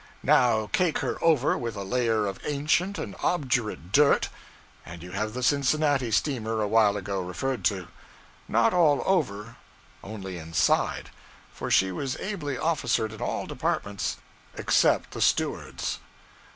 Now cake her over with a layer of ancient and obdurate dirt, and you have the Cincinnati steamer awhile ago referred to. Not all over only inside; for she was ably officered in all departments except the steward's.